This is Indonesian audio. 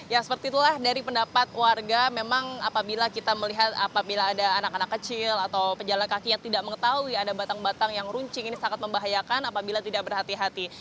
ya seperti itulah dari pendapat warga memang apabila kita melihat apabila ada anak anak kecil atau pejalan kaki yang tidak mengetahui ada batang batang yang runcing ini sangat membahayakan apabila tidak berhati hati